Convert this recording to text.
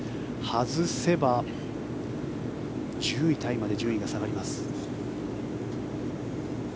外せば１０位タイまで順位が下がります。